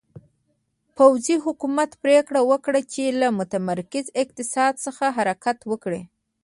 پوځي حکومت پرېکړه وکړه چې له متمرکز اقتصاد څخه حرکت وکړي.